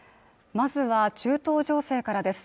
まずは中東情勢からです